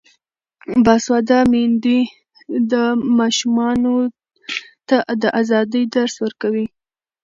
باسواده میندې ماشومانو ته د ازادۍ درس ورکوي.